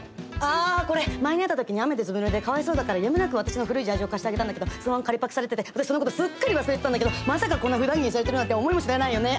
あこれ前に会った時に雨でずぶぬれでかわいそうだからやむなく私の古いジャージを貸してあげたんだけどそのまま借りパクされてて私そのことすっかり忘れてたんだけどまさかこんなふだん着にされてるなんて思いもしないよね。